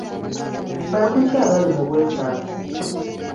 Bantu ki abali mu bwetaavu?